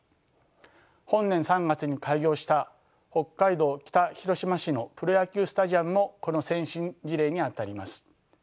本年３月に開業した北海道北広島市のプロ野球スタジアムもこの先進事例にあたります。